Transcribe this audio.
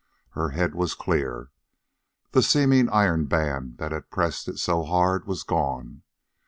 Her head was clear. The seeming iron band that had pressed it so hard was gone.